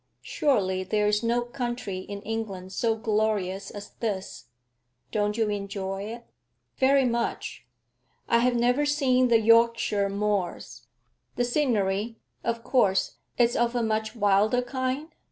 'Surely there is no country in England so glorious as this. Don't you enjoy it?' 'Very much.' 'I have never seen the Yorkshire moors. The scenery, of course, is of a much wilder kind?'